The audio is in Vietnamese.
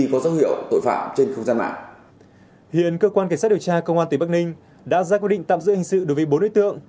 cảnh sát điều tra công an tỉnh bắc ninh đã ra quy định tạm giữ hình sự đối với bốn đối tượng